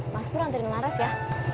mas pur anterin aras ya